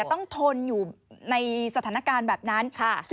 ต้องทนอยู่ในสถานการณ์แบบนั้น